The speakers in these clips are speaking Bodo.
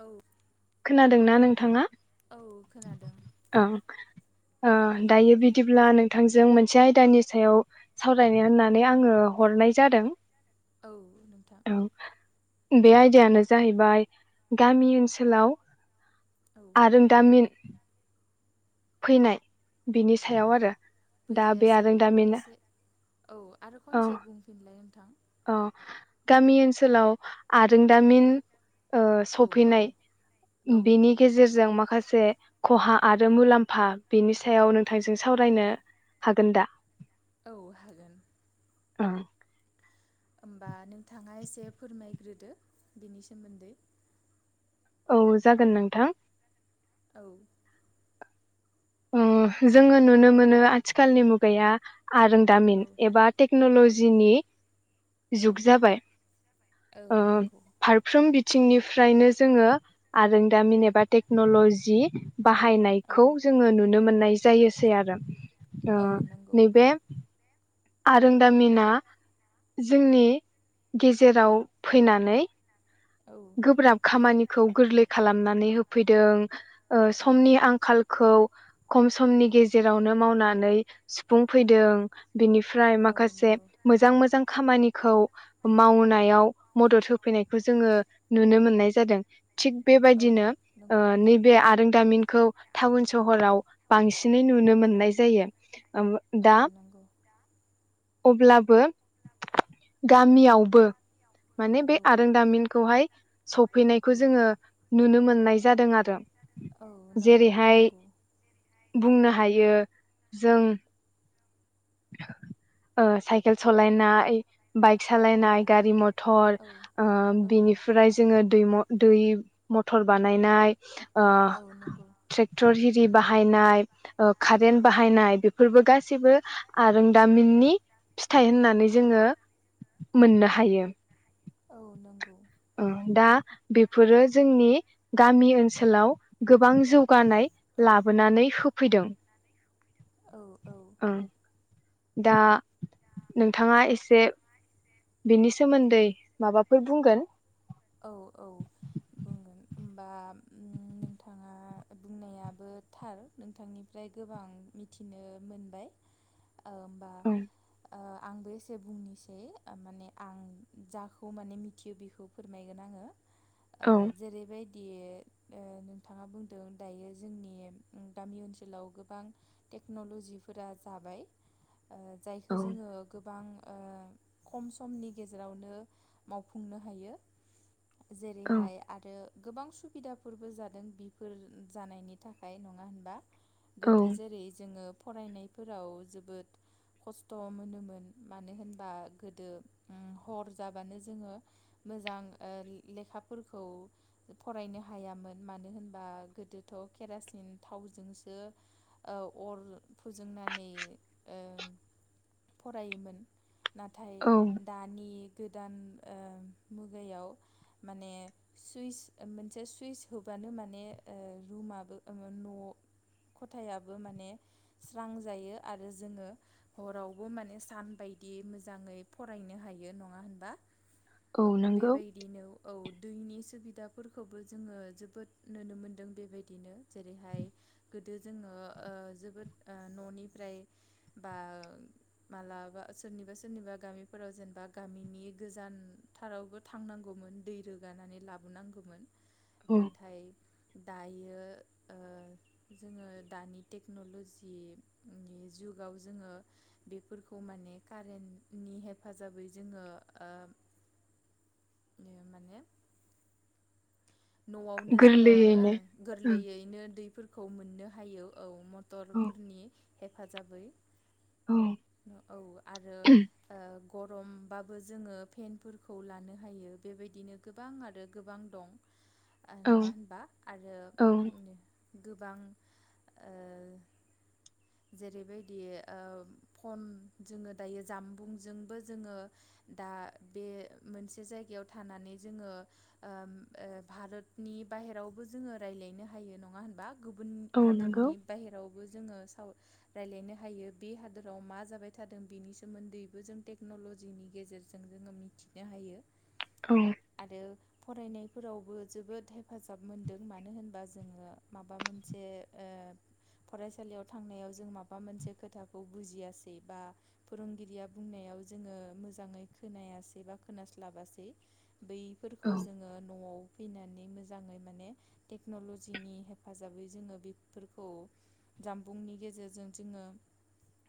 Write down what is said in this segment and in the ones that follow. औ खोनादों ना नोंथाङा? औ खोनादों औ ओ औ दायो बिदिब्ला नो थांजों मोनसे आयदानि सायाव सावरायनो होननानै आङो हरनाय जादों। औ नोंथां औ बे आयदायानो जाहैबाय गामि ओनसोलाव औ आरोंदामिन फैनाय बिनि सायाव आरो। दा बे बुजियासै आरोंदामिन एसे औ आरो खनसे बुंफिनलाय नोंथां अ गामि ओनसोलाव औ आरोंदामिन ओ औ औ सफैनाय औ बेनि औ गेजेरजों माखासे खहा आरो मुलाम्फा बेनि सायाव नोंथांजों सावरायनो हागोन दा? औ हागोन औ होमबा नोंथाङा एसे फोरमायग्रोदो बिनि सोमोन्दै। औ जागोन नोंथां। औ उम जोङो नुनो मोनो आथिखालनि मुगाया आरोंदामिन औ एबा औ टेक्न'ल'जिनि औ जुग जाबाय। औ ओ नंगौ फारफ्रोम बि थिंनिफ्रायनो जोङो आरोंदामिन एबा टेक्न'ल'जि औ बाहायनायखौ नुनो मोननाय जायोसै आरो ओ औ नंगौ नैबे आरोंदामिना जोंनि गेजेराव फैनानै औ गोब्राब खामानिखौ गोरलै खालामनानै होफैदों ओ औ समनि आंखालखौ खम समनि गेजेरावनो मावनानै सुफुंफैदों। बिनिफ्राय औ माखासे नंगौ मोजां मोजां खामानिखौ मावनायाव मदद होफैनायखौ जोङो नुनो मोननाय जादों। थिग औ बेबायदिनो ओ नंगौ नैबे आरोंदामिन खौ टाउन सहराव बांसिन नै नुनो औ मोननाय जायो। औ दा नंगौ अब्लाबो गामियावबो माने औ बे आरोंदामिनखौहाय औ सफैनायखौ जोङो नुनो मोन नाय जादों आरो औ नंगौ जेरैहाय नंगौ। बुंनो हायो जों ओ साइकेल सलायनाय बाइक औ सालायनाय गारि मथर औ ओ औ बिनिफ्राय जोङो दै म दै मथर बानायनाय। ओ औ नंगौ ट्रेक्टर हि रि बाहायनाय ओ औ खारेन्त बाहायनाय बेफोरबो गासैबो आरोंदामिननि फिथाइ होननानै जोङो मोननो हायो। औ नंगौ। ओ दा बेफोरो जोंनि गामि ओनसोलाव गोबां जौ गानाय औ लाबोनानै होफैदों। औ औ। ओं दा नोंथाङा एसे बेनि सोमोन्दै माबाफोर बुंगोन? औ औ बुंगोन बा नोंथाङा बुंनायाबो थार नोंथांनिफ्राय गोबां मिथिनो मोनबाय। ओमबा। औ ओ आंबो इ बुंनिसै माने आं जाखौ माने मिथियो बिखो। फोरमायगोन आङो। ओ औ जेरैबाय। दि ओ नोंथाङा बुंदों दायो जोंनि गामि ओनसोलाव गोबां टेक्नलजिफोरा जाबाय। ओ औ जायखौ जोङो गोबां। ओ खम समनि गेजेरावनो मावफुंनो हायो। जेरैहाय आरो। गोबां सुबिदाफोरबो जादों बिफोर जानायनि थाखाय नङा होनबा? औ गोदो जेरै जोङो। फरायनायफोराव जोबोद खस्थ मोनोमोन मानो होनबा गोदो ओ हर जाबानो जोङो मोजां। ओ लेखाफोरखौ फरायनो हायामोन, मानो होनबा? गोदोथ केरासिन थावजोंसो ओ अर फोजोंनानै ओ फरायोमोन। नाथाय औ दानि गोदान ओ मुगायाव। माने सुइस मोनसे सुइस होबानो माने ओ रुमाबो ओ न खथायाबो माने स्रां जायो, आरो जोङो हरावबो माने सान बायदि मोजाङै फरायनो हायो, नङा होनबा? औ नोंगौ। बेबायदिनो औ दैनि सुबिदाफोरखौबो जोङो, जोबोद नोनो मोनदों। बेबायदिनो जेरैहाय गोदो जोङो ओ जोबोद ओ ननिफ्राय, बा मालाबा सोरनिबा सोरनिबा गामिफोराव जेनबा गामिनि गोजानथारावबो थां थांनांगौमोन दै रोगानानै लाबोनांगौमोन। औ नाथाय। दायो ओ जोङो दानि टेक्न'ल'जिनि जुगाव जोङो बेफोरखौ माने कारेन्टनि हेफाजाबै जोङो ओ ओ माने। न'आवनो जोङो गोरलैयैनो ओ ओं गोरलैयैनो दैफोर खौ मोननो हायो औ मथ औ टरफोरनि। हेफाजाबै औ आरो ओ। गरमबाबो जोङो फेनफोरखौ लानो हायो बेबायदिनो गोबां आरो गोबां दं। ओ औ नङा होनबा आरो औ उमनि गोबां ओ जेरैबायदि ओ फन जोङो दायो जामबुंजोंबो जोङो दा बे मोनसे जायगायाव थानानै जोङो ओम ओ भारतनि बाहेरावबो जोङो रायलायनो हायो नङा होनबा गुबुन औ नंगौ हादरनि बाहेराव बो जोङो साव रायलायनो हायो बे हादोराव मा जाबाय थादों बेनि सोमोन्दैबो जों टेक्न'लजिनि गेजेरजों जोङो मिथिनो हायो औ आरो फरायनाय फोरावबो जोबोद हेफाजाब मोनदों मानो होनबा जोङो माबा मोनसे ओ फरायसालियाव थांनायाव जों माबा मोनसे खोथाखौ बुजियासै बा फोरोंगिरिया बुंनायाव जोङो मोजाङै खोनायासै बा खोनास्लाबासै बैफोरखौ औ जोङो फैनानै मोजाङै माने टेक्नलजिनि हेफाजाबै जोङो बेफोरखौ जामबुंनि गेजेरजों जोङो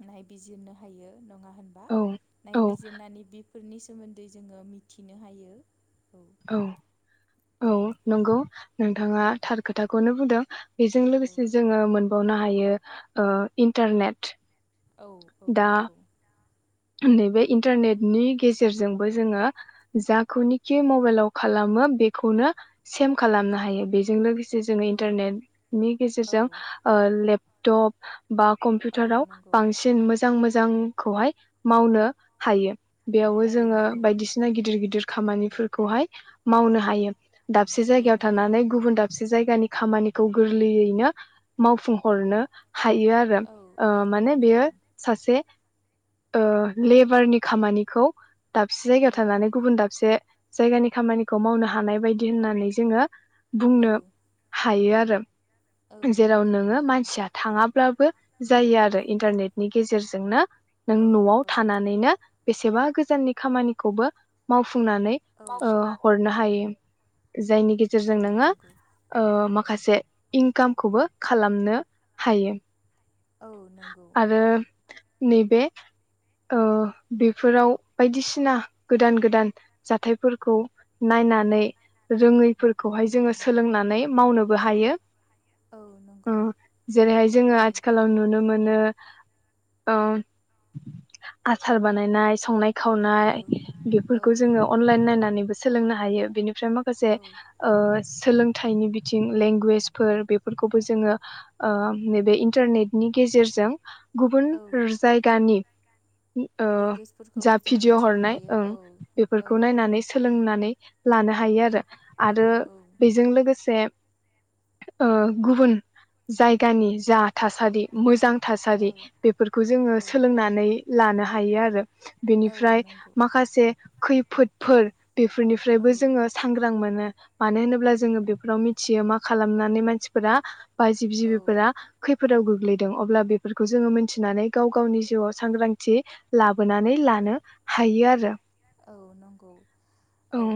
नायबिजिरनो हायो नङा होनबा औ औ नायबिजिरनानै बिफोरनि सोमोन्दै जोङो मिथिनो हायो औ औ औ नंगौ नोंथाङा औ थार खोथाखौनो बुंदों बेजों लोगोसे जोङो मोनबावनो हायो ओ इन्टारनेट औ औ दा नंगौ नैबे इन्टारनेटनि गेजेरजोंबो जोङो जाखौनोखि मबाइलाव खालामो बेखौनो सेम खालामनो हायो बेजों लोगोसे जो जोङो औ इन्टारनेटनि औ गेजेरजों ओ लोब ट'प बा औ कम्पिउटाराव नंगौ बांसि सिन मोजां मोजांखौहाय मावनो हायो बेयावबो औ जोङो नंगौ बायदिसिना गिदिर गिदिर खामानिफोरखौहाय मावनो हायो दाबसे औ जायगायाव नंगौ थानानै गुबुन दाबसे जायगानि खामानिखौ गोरलैयैनो मावफुं हरनो हायो आरो औ ओ औ माने नंगौ बेयो सासे ओ लेबारनि खामानिखौ दाबसे जायगायाव नंगौ थांनानै गुबुन दाबसे जायगानि खामानिखौ मावनो हानाय बायदि होननानै जोङो औ बुंनो हा हायो आरो औ जेराव नंगौ नोङो मानसिया थाङा ब्लाबो जायो औ आरो इन्टारनेट नि गेजेरजोंनो नों औ न'आव थानानैनो बे बेसेबा गोजाननि खामानिखौबो मावफु फुंनानै औ ओ हरनो हायो। जायनि औ गेजेरजों नोङो नंगौ ओ मा माखासे इनकामखौबो खालामनो हायो। औ नंगौ आरो नैबे ओ बेफोराव बायदिसिना गोदान गोदान जाथायफोरखौ औ नायनानै रोङैफोर खौहाय जोङो सोलोंनानै मावनोबो हायो। औ अ नंगौ जेरैहाय औ जोङो आथिखालाव नुनो मोन [unintelligible] ओ आसार बानायनाय संनाय खावनाय बेफोरखौ औ जोङो अनलाइन नायनानै सोलोंनो हायो बेनि फ्राय माखासे औ ओ सोलोंथाइनि बिथिं लेंगुवेजफोर बेफोरखौबो जोङो ओ नैबे इन्टारनेटनि गेजेरजों गुबुन औ जायगानि ओ जा लेंगुवेजफोरखौबो जों भिडिय' मिथिनो हरनाय हायो ओं औ औ बेफोरखौ नायनानै नंगौ सोलोंनानै लानो हायो आरो। औ आरो औ बेजों लोगोसे ओ गुबुन जायगानि जा थासारि मोजां। औ थासारि बेफोरखौ जोङो औ सोलोंनानै लानो हायो आरो। औ बेनिफ्राय नंगौ माखासे खै फोटफोर औ बेफोरनिफ्रायबो जोङो सांग्रां मोनो मानो होनोब्ला जोङो बेफोराव मिथियो मा खालामनानै मानसिफोरा बा जिब औ जिबिफोरा खै फोराव गोग्लैदों अब्ला बे फोरखौ जोङो मोनथिनानै गाव गावनि जिउआव सांग्रांथि लाबोनानै लानो हायो आरो औ नंगौ औ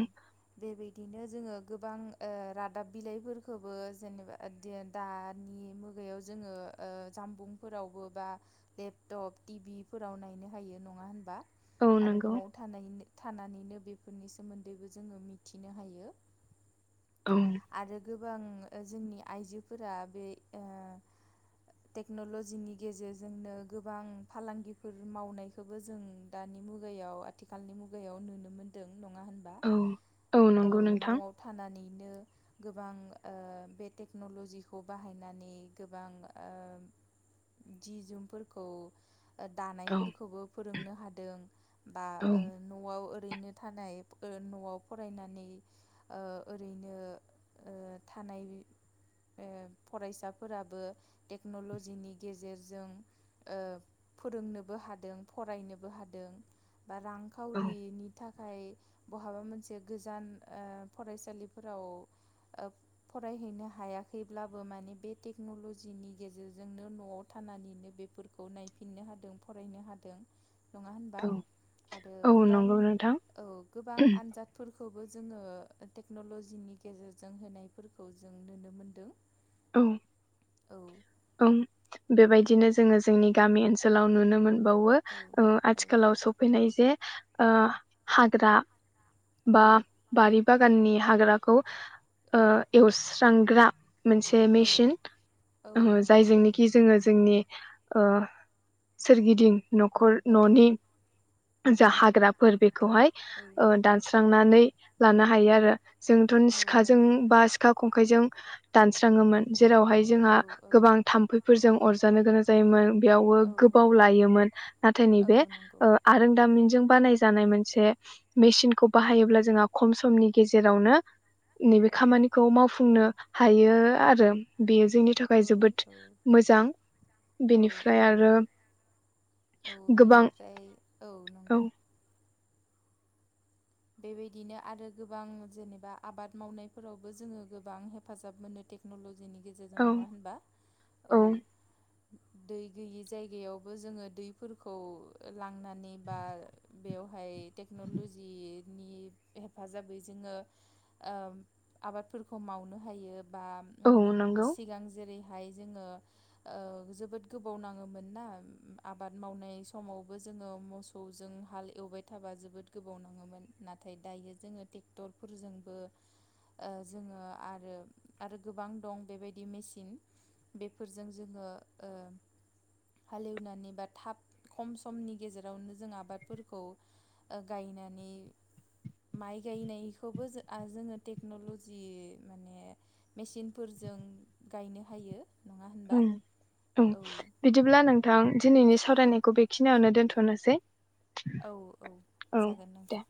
बेबायदिनो जोङो गोबां ओ रादाब बिलाइफोरखौबो जेनेबा दि दानि मुगायाव जोङो ओ जामबुंफोरावबो बा लेपटप टिभिफोराव नायनो हायो नङा होनबा औ नंगौ थानायनिनो थानानैनो बेफोरनि सोमोन्दैबो जोङो मिथिनो हायो औ। आरो गोबां जोंनि आइजोफोरा बे ओ टेक्न'ल'जिनि गेजेरजोंनो गोबां फालांगिफोर मावनायखौबो जों दानि मुगायाव आथिखालनि मुगायाव नुनो मोन्दों। नङा होनबा? औ औ नंगौ नोंथां न'आव थानानै बिदिनो गोबां ओ बे टेक्नलजिखौ बाहायनानै गोबां ओ जि जोमफोरखौ औ दानायफोरखौबो फोरोंनो हादों बा औ ओ न'आव ओ रैनो थानाय न'आव फरायनानै ओ ओरैनो ओ थानाय ओ फरायसाफोराबो टेक्न'ल'जिनि गेजेरजों ओ फोरोंनोबो हादों फरायनोबो हादों। बा औ रांखावरिनि थाखाय थाखाय बहाबा मोनसे गोजान ओ फरायसालिफोराव फरायहैनो हायाखैब्लाबो माने बे टेक्न'लजिनि गेजेरजोंनो न'आव थानानैनो बेफोरखौ नायफिननो हादों फरायनो हादों। नङा होनबा? औ आरो औ गोबां नंगौ नोंथां औ गोबां आनजादफोर फोरखौबो जोङो टेक्नल'जिनि गेजेरजों होनायफोरखौ जों नुनो मोनदों। औ। औ। औ बेबायदिनो जोंङो जोंनि गामि ओनसोलाव नुनो मोन बावो औ आथिखालाव सफैनाय जे ओ हाग्रा औ बा बारि बागाननि हाग्राखौ ओ औ एउस सांग्रा मोनसे औ मेसिन औ ओ नंगौ जायजोंनोखि जोङो जोंनि ओ सोरगिदिं न'खर औ न'नि जा हाग्राफोर बे खौहाय औ ओ दानस्रांनानै लानो हायो आरो जोंथ' औ सिखाजों नंगौ बा सिखा खं खायजों दानस्राङोमोन। जेरावहाय औ जोंहा गोबां औ थाम्फैफोरजों अरजानो गोनां जायोमोन। बेयावबो औ गोबाव लायोमोन नाथाय औ नैबे नंगौ ओ दामिनजों बानाय जानाय मोनसे मेसिनखौ बाहायोब्ला जोंहा खम समनि गेजेरावनो नैबे औ खामानिखौ मावफुंनो हायो आरो बे जोंनि थाखाय औ जोबोद मोजां औ बेनिफ्राय औ आरो औ गोबां बेनिफ्राय औ नंगौ बेबायदिनो आरो गोबां जेनेबा आबाद मावनायफोरावबो जोङो गोबां हेफाजाब मोनो टेक्न'लजि जोंनि गेजेरजों औ नङा होनबा औ। दै गैयि जायगायावबो जोङो दैफोरखौ लांनानै बा बेवहाय टेक्न'लजि नि हेफाजाबै जोङो ओ आबादफोरखौ मावनो हायो बा औ उम नंगौ सिगां जेरै बेहाय जोङो ओ जोबोद गोबाव नाङोमोन ना आबाद मावनाय समावबो जोङो मोसौजों हाल एवबाय थाबा जोबोद गोबाव नाङोमोन नाथाय दायो जोङो ट्रेक्टरफोरजोंबो ओ जोङो आरो आरो गोबां दं बेबायदि मेसिन बेफोरजों जोङो ओ हालेवनानै बा थाब खम समनि गेजेरावनो जों आबादफोरखौ ओ गायनानै माइ गायनायखौबो आ जोङो टेक्न'लजि माने मेसिनफोरजों गायनो हायो। नङा होनबा ओम ओम औ बिदिब्ला नों थां दिनैनि औ सावरायनायखौ बेखिनियावनो दोनथ' नोसै। औ औ जागोन दे नोंथां।